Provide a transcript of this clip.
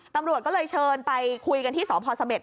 ตำรวจก็เลยเชิญไปคุยกันที่สพเสม็ด